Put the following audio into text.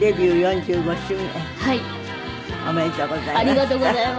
ありがとうございます。